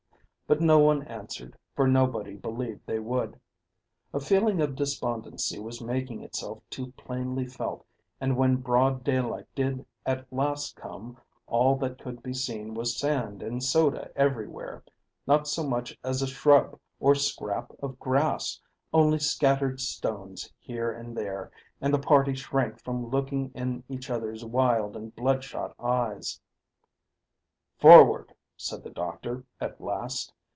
But no one answered, for nobody believed they would. A feeling of despondency was making itself too plainly felt, and when broad daylight did at last come all that could be seen was sand and soda everywhere, not so much as a shrub or scrap of grass, only scattered stones here and there, and the party shrank from looking in each other's wild and bloodshot eyes. "Forward," said the doctor, at last.